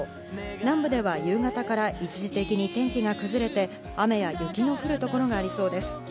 南部では夕方から一時的に天気が崩れて、雨や雪の降る所がありそうです。